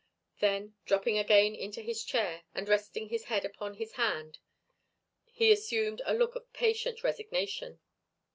Then dropping again into his chair, and resting his head upon his hand, he assumed a look of patient resignation.